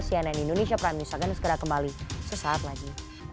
cnn indonesia prime news akan segera kembali sesaat lagi